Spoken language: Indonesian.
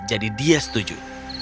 jadi dia setuju